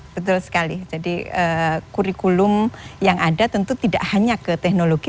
betul sekali jadi kurikulum yang ada tentu tidak hanya ke teknologi